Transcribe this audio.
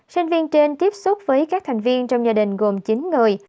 sinh viên trên tiếp xúc với các thành viên trong gia đình gồm chín người